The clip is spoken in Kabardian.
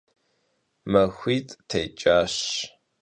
Maxuit' têç'aş.